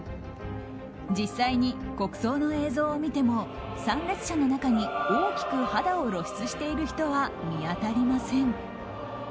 実際に国葬の映像を見ても参列者の中に大きく肌を露出している人は見当たりません。